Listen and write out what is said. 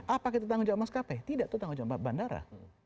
apakah itu tanggung jawab maskapai tidak itu tanggung jawab bandara